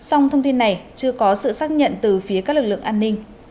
song thông tin này chưa có sự xác nhận từ phía các lực lượng an ninh